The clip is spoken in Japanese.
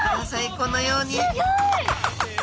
このように。